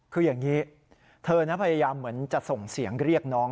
คืออย่างนี้เธอนะพยายามเหมือนจะส่งเสียงเรียกน้อง